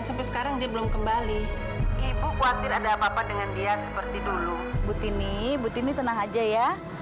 sampai jumpa di video selanjutnya